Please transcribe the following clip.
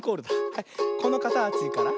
はいこのかたちから。